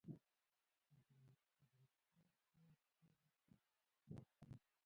ادرسکن سیند له کوم ولایت تیریږي؟